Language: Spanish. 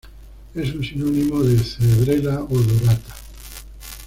Es un sinónimo de "Cedrela odorata"